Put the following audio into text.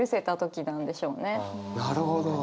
なるほど。